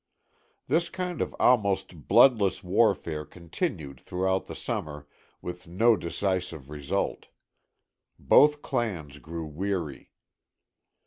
This kind of almost bloodless warfare continued throughout the summer with no decisive result. Both clans grew weary.